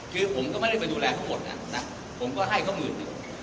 คือผมก็ไม่ได้ไปดูแลเขาหมดนะผมก็ให้เขาหมื่นหนึ่ง